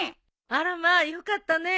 あらまよかったね。